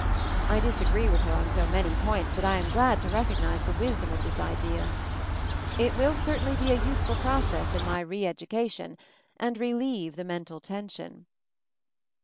I disagree with her on so many points that I am glad to recognize the wisdom of this idea. It will certainly be a useful process in my re educa tion; and relieve the mental tension.